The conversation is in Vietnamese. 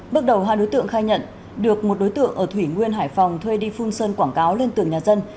bước đầu hai đối tượng khai nhận được một đối tượng ở thủy nguyên hải phòng thuê đi phun sơn quảng cáo lên tường nhà dân